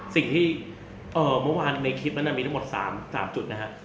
สิ่งที่เมื่อวานในคลิปนั้นมีทั้งหมด๓จุดนะฮะ